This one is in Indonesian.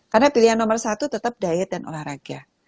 karena pilihan nomor satu tetap diet dan olahraga